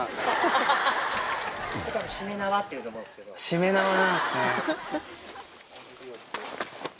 しめ縄なんっすね。